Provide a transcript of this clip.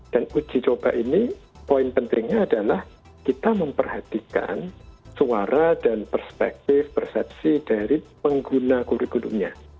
dan uji coba ini poin pentingnya adalah kita memperhatikan suara dan perspektif persepsi dari pengguna kurikulumnya